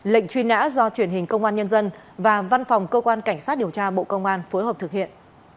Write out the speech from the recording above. lệnh truy nã do truyền hình công an nhân dân và văn phòng cơ quan cảnh sát điều tra bộ công an phối hợp thực hiện